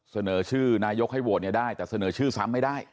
เสนอชื่อนายกให้โหวตเนี่ยได้แต่เสนอชื่อซ้ำไม่ได้